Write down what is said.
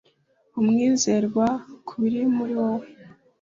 Ba umwizerwa kubiri muri wowe.